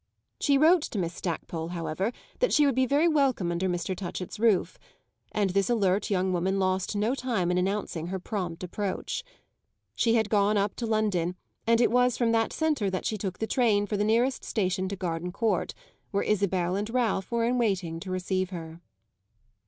She wrote to Miss Stackpole, however, that she would be very welcome under Mr. Touchett's roof; and this alert young woman lost no time in announcing her prompt approach. She had gone up to London, and it was from that centre that she took the train for the station nearest to Gardencourt, where Isabel and Ralph were in waiting to receive her.